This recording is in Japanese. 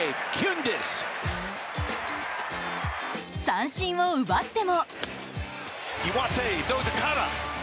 三振を奪っても。